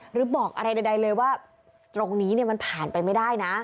หรือบอกอะไรใดเลยว่าตรงนี้มันผ่านไปไม่ได้นะ